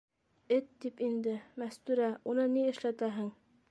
- Эт, тип инде, Мәстүрә, уны ни эшләтәһең?